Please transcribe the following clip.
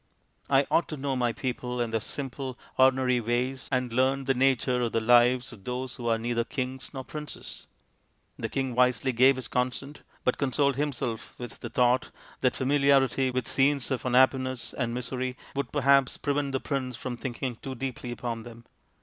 " I ought to know my people and their simple ordinary ways and learn the nature of the lives of those who are neither kings nor princes/' The king wisely gave his consent, but consoled him self with the thought that familiarity with scenes of unhappiness and misery would perhaps prevent the prince from thinking too deeply upon them.